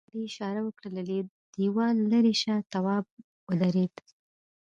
سړي اشاره وکړه له دیوال ليرې شه تواب ودرېد.